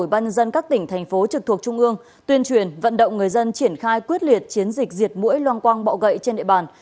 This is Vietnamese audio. ủy ban dân các tỉnh thành phố trực thuộc trung ương tuyên truyền vận động người dân triển khai quyết liệt chiến dịch diệt mũi loang quang bọ gậy trên địa bàn